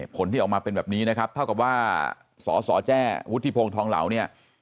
ผลที่ออกมาเป็นแบบนี้นะครับเท่ากับว่าสสแจ้วุฒิพงศ์ทองเหลาเนี่ย